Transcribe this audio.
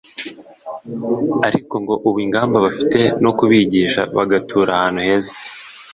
ariko ngo ubu ingamba bafite no kubigisha bagatura ahantu heza